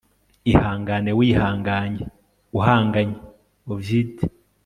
ihangane wihanganye uhanganye. - ovid